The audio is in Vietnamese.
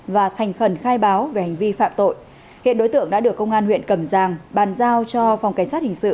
và thành khẩn khai báo về hành vi phạm tội hiện đối tượng đã được công an huyện cầm giang bàn giao cho phòng cảnh sát hình sự